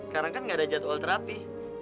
kendi sekarang kan gak ada jadwal terapi